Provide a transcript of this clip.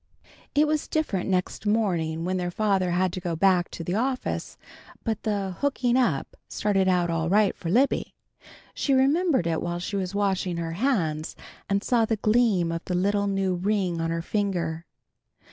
It was different next morning when their father had to go back to the office, but the "hooking up" started out all right for Libby. She remembered it while she was washing her hands, and saw the gleam of the little new ring on her finger.